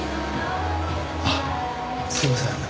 あっすいません。